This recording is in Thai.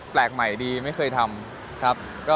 แปลกใหม่ดีไม่เคยทำ